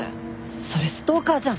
それストーカーじゃん。